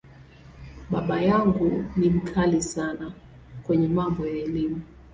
Baba yangu ni ‘mkali’ sana kwenye mambo ya Elimu.